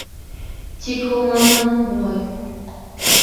Тик һуңланым, буғай...